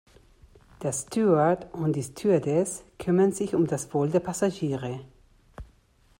Der Steward und die Stewardess kümmern sich um das Wohl der Passagiere.